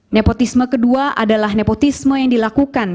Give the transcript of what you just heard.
nepotisme kedua adalah nepotisme yang dilakukan